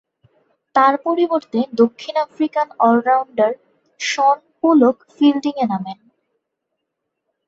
তার পরিবর্তে দক্ষিণ আফ্রিকান অল-রাউন্ডার শন পোলক ফিল্ডিংয়ে নামেন।